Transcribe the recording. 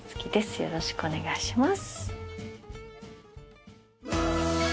よろしくお願いします。